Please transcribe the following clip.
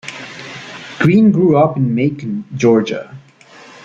Greene grew up in Macon, Georgia.